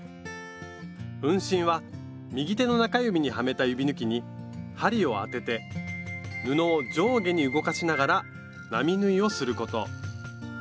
運針は右手の中指にはめた指ぬきに針を当てて布を上下に動かしながら並縫いをすること。